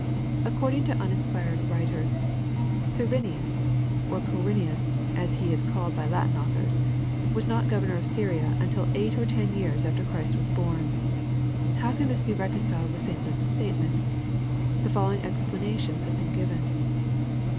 According to uninspired writers, Cyrenius or Quirinius, as he is called by Latin authors, was not governor of Syria, until eight or ten years after Christ was bom. How can thus be reconciled with St Luke's statement? The following explanations have been given.